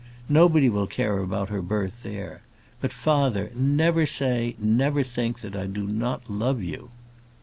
Nobody will care about her birth there. But, father, never say, never think, that I do not love you!"